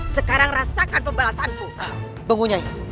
sekarang rasakan pembalasanku